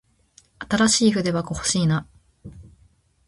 新しい筆箱欲しいな。